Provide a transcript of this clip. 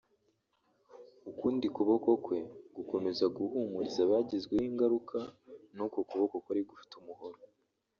ukundi kuboko kwe gukomeza guhumuriza abagizweho ingaruka n’uko kuboko kwari gufite umuhoro